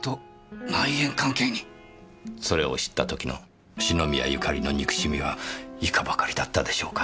それを知った時の篠宮ゆかりの憎しみはいかばかりだったでしょうか。